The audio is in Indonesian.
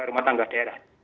rumah tangga daerah